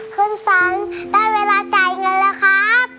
คุณสันได้เวลาจ่ายเงินแล้วครับ